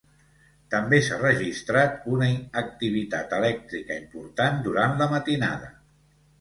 També s’ha registrat una activitat elèctrica important durant la matinada.